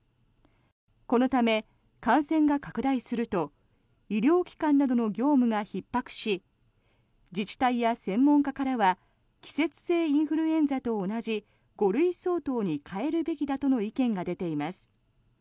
このため、感染が拡大すると医療機関などの業務がひっ迫し自治体や専門家からは季節性インフルエンザと同じ５類相当に変えるべきだとの意見が出ています。